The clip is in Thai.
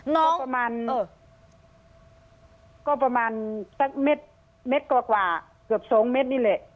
น้องประมาณเออก็ประมาณสักเม็ดเม็ดกว่าเกือบสองเม็ดนี่เลย